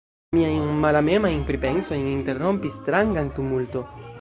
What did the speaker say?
Miajn malamemajn pripensojn interrompis stranga tumulto.